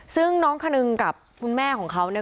ซึ่งน้องคนนึงกับคุณแม่ของเขาเนี่ย